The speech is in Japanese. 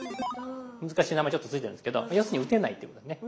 難しい名前ちょっと付いてるんですけど要するに打てないというね。